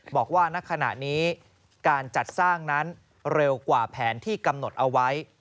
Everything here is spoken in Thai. บอกว่าณขณะนี้การจัดสร้างนั้นเร็วกว่าแผนที่กำหนดเอาไว้